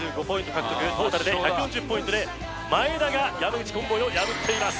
獲得トータルで１４０ポイントで真栄田が山口コンボイを破っています